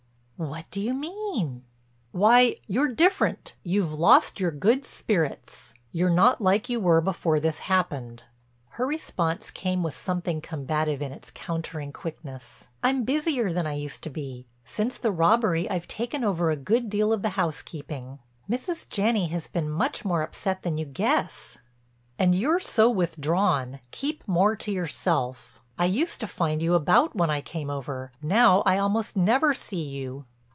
"What do you mean?" "Why, you're different, you've lost your good spirits. You're not like you were before this happened." Her response came with something combative in its countering quickness: "I'm busier than I used to be. Since the robbery I've taken over a good deal of the housekeeping. Mrs. Janney has been much more upset than you guess." "And you're so withdrawn, keep more to yourself. I used to find you about when I came over; now I almost never see you."